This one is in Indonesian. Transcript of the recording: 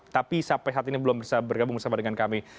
tapi sampai saat ini belum bisa bergabung bersama dengan kami